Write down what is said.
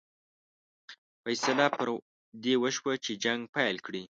فیصله پر دې وشوه چې جنګ پیل کړي.